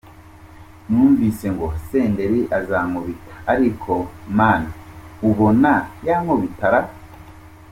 Numvise ngo Senderi azankubita, ariko Man ubona yankubitara ra ?".